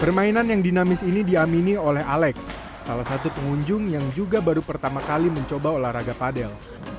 permainan yang dinamis ini diamini oleh alex salah satu pengunjung yang juga baru pertama kali mencoba olahraga padel